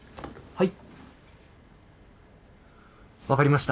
はい。